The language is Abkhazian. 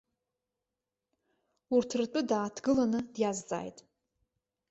Урҭ ртәы дааҭгыланы диазҵааит.